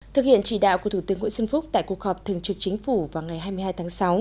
thực hiện chỉ đạo của thủ tướng nguyễn xuân phúc tại cuộc họp thường trực chính phủ vào ngày hai mươi hai tháng sáu